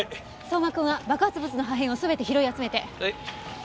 相馬君は爆発物の破片を全て拾い集めて。